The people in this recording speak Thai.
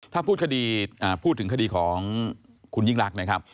ถ้าพูดถึงคดีของคุณยิ๊งรัก